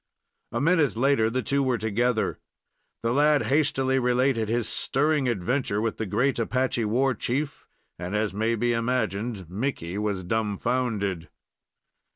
A minute later the two were together. The lad hastily related his stirring adventure with the great Apache war chief, and, as may be imagined, Mickey was dumfounded.